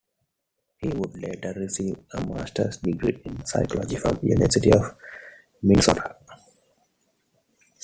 He would later receive a master's degree in psychology from the University of Minnesota.